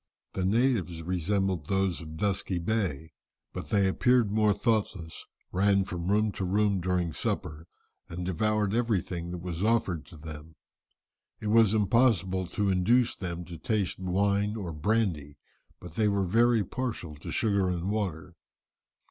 The natives resembled those of Dusky Bay, but they appeared more thoughtless, ran from room to room during supper, and devoured everything that was offered to them. It was impossible to induce them to taste wine or brandy, but they were very partial to sugar and water.